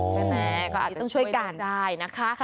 ใช่ไหมก็อาจจะช่วยได้นะคะ